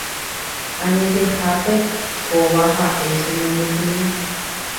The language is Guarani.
Añetehápe kóva ha'e che membykuña